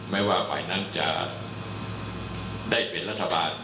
ไม่ว่าฝ่ายนั้นจะได้เป็นรัฐบาล